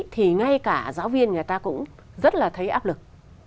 thì ngay cả giáo viên người ta cũng rất là thấy áp lực